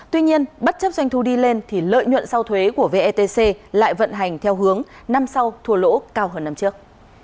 tuy nhiên bất chấp doanh thu đi lên thì lợi nhuận sau thuế của vetc lại vận hành theo hướng năm sau thua lỗ cao hơn năm trước